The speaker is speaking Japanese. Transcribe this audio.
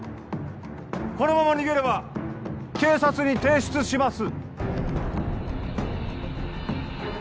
このまま逃げれば警察に提出します